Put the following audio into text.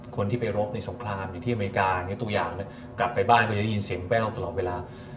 คนที่ไปรบในสงครามอยู่ที่อเมริกาตัวอย่างกลับไปบ้านก็จะได้ยินเสียงแววตลอดเวลา